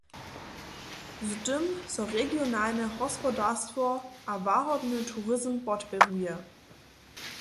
Z tym so regionalne hospodarstwo a łahodny turizm podpěruje.